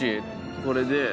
これで。